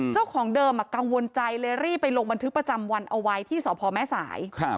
เจ้าของเดิมกังวลใจเลยรีบไปลงบันทึกประจำวันเอาไว้ที่สพแม่สาย